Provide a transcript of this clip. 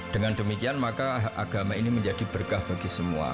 dengan demikian maka agama ini menjadi berkah bagi semua